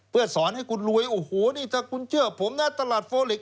เพื่อสอนให้คุณรวยโอ้โหนี่ถ้าคุณเชื่อผมนะตลาดโฟเล็ก